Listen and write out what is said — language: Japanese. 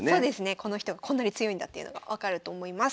この人がこんなに強いんだっていうのが分かると思います。